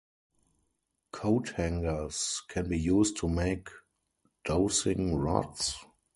Coathangers can be used to make dowsing rods.